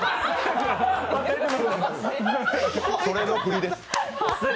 それのフリです。